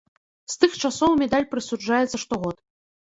З тых часоў медаль прысуджаецца штогод.